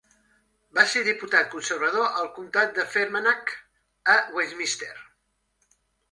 Va ser diputat conservador al comtat de Fermanagh a Westminster.